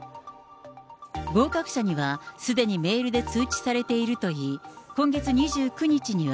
合格者にはすでにメールで通知されているといい、今月２９日には、